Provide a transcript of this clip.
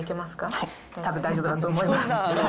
はい、たぶん、大丈夫だと思います。